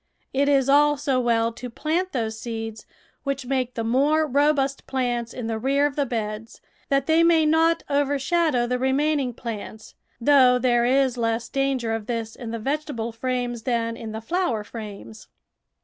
It is also well to plant those seeds which make the more robust plants in the rear of the beds, that they may not overshadow the remaining plants, though there is less danger of this in the vegetable frames than in the flower frames.